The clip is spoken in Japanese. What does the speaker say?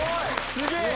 すげえ！